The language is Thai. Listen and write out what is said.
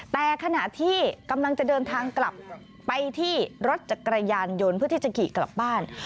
แต่ขณะที่กำลังจะเดินทางกลับไปที่รถจักรยานยนต์เพื่อที่จะขี่กลับบ้าน